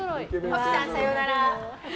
沖さん、さようなら。